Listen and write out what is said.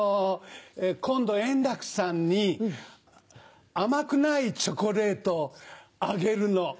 今度円楽さんに甘くないチョコレートをあげるの。